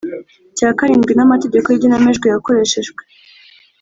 cya karindwi n’amategeko y’igenamajwi yakoreshejwe.